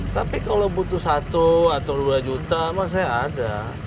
tapi kalau butuh satu atau dua juta masih ada